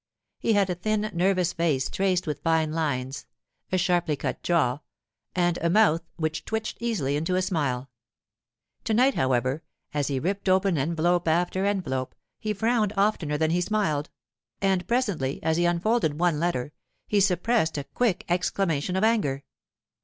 He had a thin nervous face traced with fine lines, a sharply cut jaw, and a mouth which twitched easily into a smile. To night, however, as he ripped open envelope after envelope, he frowned oftener than he smiled; and presently, as he unfolded one letter, he suppressed a quick exclamation of anger.